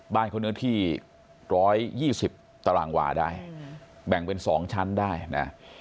บ้านเขาเนื้อที่๑๒๐ตารางวาได้แบ่งเป็น๒ชั้นได้นะ